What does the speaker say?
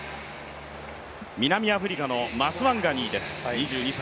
南アフリカのマスワンガニーです、２２歳。